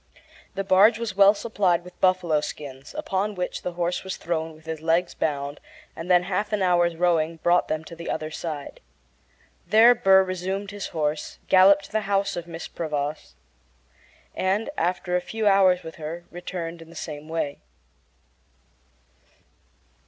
The barge was well supplied with buffalo skins, upon which the horse was thrown with his legs bound, and then half an hour's rowing brought them to the other side. There Burr resumed his horse, galloped to the house of Mrs. Prevost, and, after spending a few hours with her, returned in the same way.